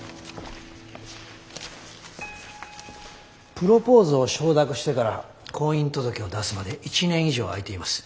プロポーズを承諾してから婚姻届を出すまで１年以上空いています。